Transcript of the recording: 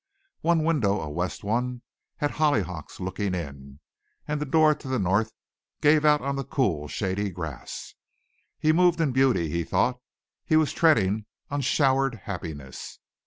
One window, a west one, had hollyhocks looking in, and the door to the north gave out on the cool, shady grass. He moved in beauty, he thought; was treading on showered happiness.